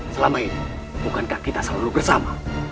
selama ini bukankah kita selalu bersama